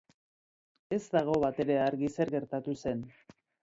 Ez dago batere argi zer gertatu zen.